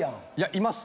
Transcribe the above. います。